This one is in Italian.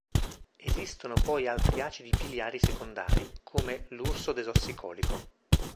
Esistono poi altri acidi biliari secondari, come l'ursodesossicolico.